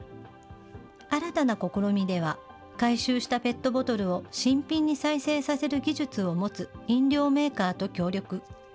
新たな試みでは、回収したペットボトルを新品に再生させる技術を持つ飲料メーカーと協力。